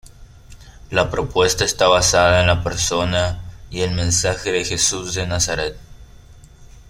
La propuesta está basada en la persona y el mensaje de Jesús de Nazaret.